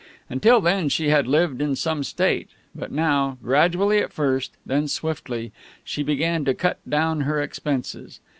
Until then she had lived in some state, but now, gradually at first, then swiftly, she began to cut down her expenses.